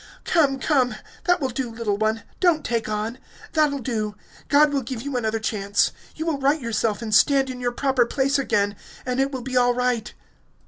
"Come, come, that will do, little one! Don't take on! That'll do! God will give you another chance ... you will right yourself and stand in your proper place again ... and it will be all right..."